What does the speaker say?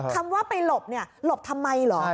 คำว่าไปหลบเนี่ยหลบทำไมเหรอ